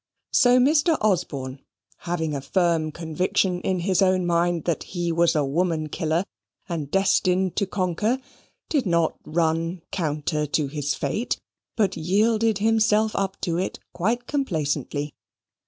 So Mr. Osborne, having a firm conviction in his own mind that he was a woman killer and destined to conquer, did not run counter to his fate, but yielded himself up to it quite complacently.